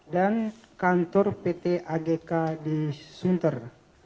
dan kantor pt agk di sunter